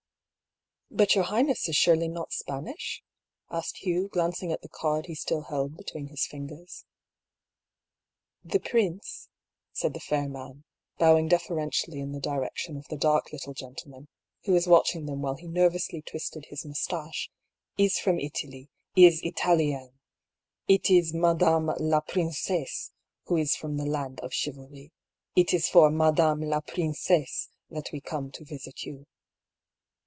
" But your highness is surely not Spanish ?" asked Hugh, glancing at the card he still held between his fingers. " The prince," said the fair man, bowing deferen tially in the direction of the dark little gentleman, who was watching them while he nerrously twisted his moustache, ^^ is from Italy — is Italien. It is madame la princesse who is from the land of chivalry. It is for madame la princesse that we come to visit you.''